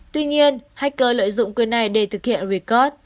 tuy nhiên hacker lợi dụng quyền này để thực hiện recode